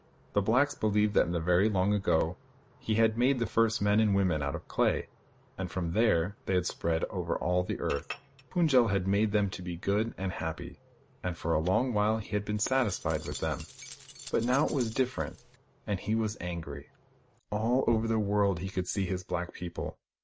The blacks believed that in the very long ago he had made the first men and women out of clay ; and from there they had spread over all the earth. Fund j el had made them to be good and happy, and for a long while he had been satisfied with them. But now it was different, and he was angry. All over the world he could see his black people.